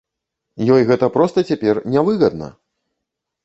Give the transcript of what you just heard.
Ёй гэта проста цяпер нявыгадна!